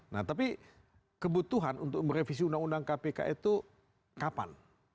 nah tapi kebutuhan untuk merevisi undang undang kpk itu kapan